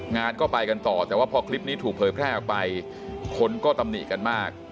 งานก็ไปกันต่อแต่ว่าพอคลิปนี้ถูกเผยแพร่ออกไปคนก็ตำหนิกันมาก